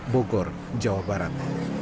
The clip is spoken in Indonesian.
bukur jawa barat